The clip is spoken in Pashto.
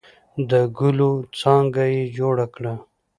د ګلو څانګه یې جوړه کړه.